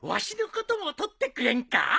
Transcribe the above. ことも撮ってくれんか？